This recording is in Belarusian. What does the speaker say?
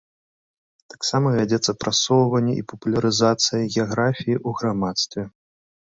Таксама вядзецца прасоўванне і папулярызацыя геаграфіі ў грамадстве.